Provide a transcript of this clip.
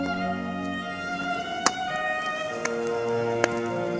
aku tidak ingin berpisah denganmu